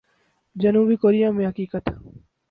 جنوبی کوریا میں حقیقت۔